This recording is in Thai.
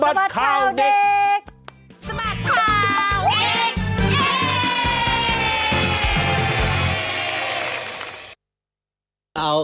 มิชุนา